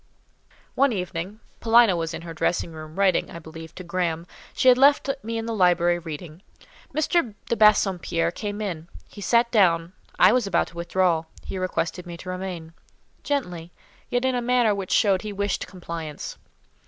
One evening—Paulina was in her dressing room, writing, I believe, to Graham; she had left me in the library, reading—M. de Bassompierre came in; he sat down: I was about to withdraw; he requested me to remain—gently, yet in a manner which showed he wished compliance.